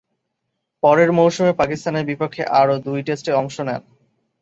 পরের মৌসুমে পাকিস্তানের বিপক্ষে আরও দুই টেস্টে অংশ নেন।